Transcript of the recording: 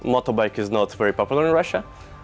motorbike tidak sangat populer di rusia